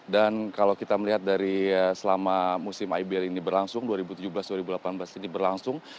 dan kalau kita melihat dari selama musim ibl ini berlangsung dua ribu tujuh belas dua ribu delapan belas ini berlangsung